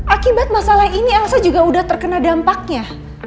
akibat masalah ini elsa juga sudah terkena dampaknya